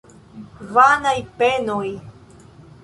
Vanaj penoj!